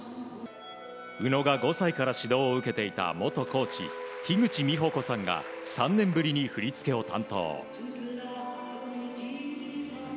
宇野が５歳から指導を受けていた元コーチ樋口美穂子さんが３年ぶりに振り付けを担当。